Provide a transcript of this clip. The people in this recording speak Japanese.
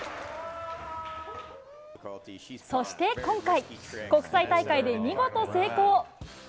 そして今回、国際大会で見事成功。